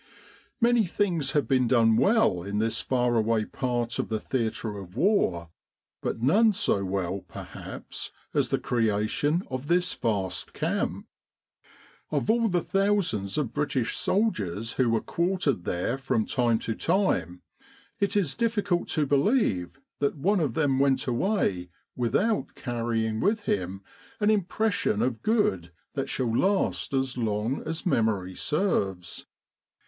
Many things have been done well in this far away part of the theatre of the War, but none so well perhaps as the creation of this vast camp. Of all the thousands of British soldiers who were quartered there from time to time, it is difficult to believe that one of them went away without carrying with him an impression of good that shall last as long as memory serves.